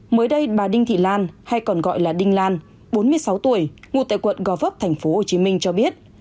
mới đây bà đinh thị lan hay còn gọi là đinh lan bốn mươi sáu tuổi ngụ tại quận gò vấp tp hcm cho biết